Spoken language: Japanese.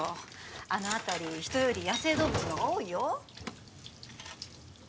あの辺り人より野生動物のが多いよ